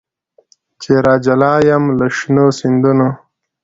چي راجلا یم له شنو سیندونو